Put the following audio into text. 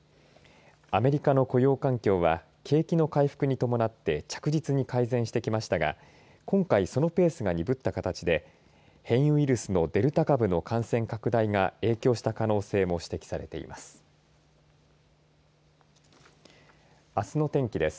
アメリカの雇用環境は景気の回復に伴って着実に改善してきましたが今回そのペースが鈍った形で変異ウイルスのデルタ株の感染拡大が影響した可能性も指摘されています。